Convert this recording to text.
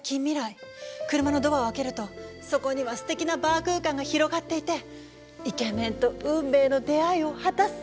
車のドアを開けるとそこにはすてきなバー空間が広がっていてイケメンと運命の出会いを果たす！